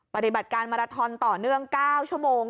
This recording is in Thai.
ปฏิบัติการมาราทอนต่อเนื่อง๙ชั่วโมง